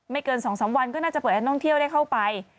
เกิน๒๓วันก็น่าจะเปิดให้ท่องเที่ยวได้เข้าไป